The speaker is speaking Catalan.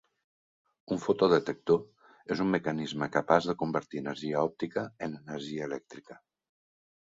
Un fotodetector és un mecanisme capaç de convertir energia òptica en energia elèctrica.